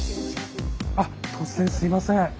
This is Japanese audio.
突然すいません。